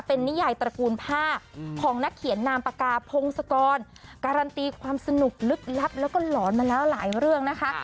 เป็นนิยายตระกูลผ้าของนักเขียนนามปากกาพงศกรการันตีความสนุกลึกลับแล้วก็หลอนมาแล้วหลายเรื่องนะคะ